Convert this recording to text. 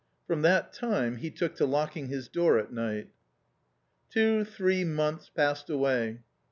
From that time he took to locking his door at night. Two, three months passed away.